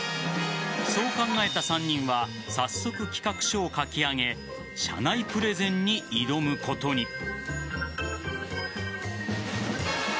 そう考えた３人は早速、企画書を書き上げ社内プレゼンに挑むことに。